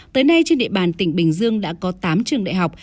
tới nay trên địa bàn tỉnh bình dương đã có tám trường đại học